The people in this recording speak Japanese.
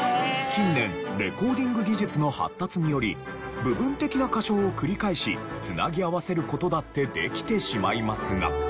近年レコーディング技術の発達により部分的な歌唱を繰り返し繋ぎ合わせる事だってできてしまいますが。